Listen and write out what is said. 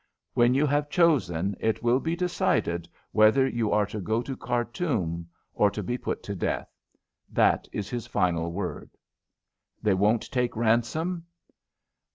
When you have chosen, it will be decided whether you are to go to Khartoum or to be put to death. That is his last word." "They won't take ransom?"